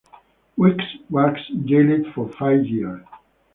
Wicks was jailed for five years.